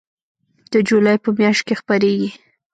د جولای په میاشت کې خپریږي